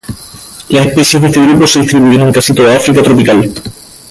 Las especies de este grupo se distribuyen en casi toda África tropical.